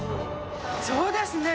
そうですね。